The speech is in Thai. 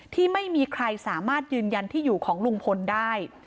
ที่ไม่มีใครสามารถยืนยันที่อยู่ของลุงพลได้